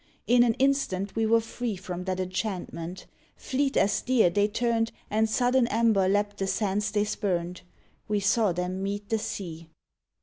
In an instant we were free From that enchantment: fleet as deer they turned And sudden amber leapt the sands they spumed. We saw them meet the sea.